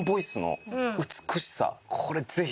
これぜひ。